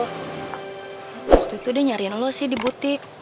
waktu itu dia nyarian lo sih di butik